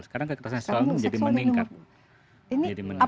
sekarang kekerasan seksual itu menjadi meningkat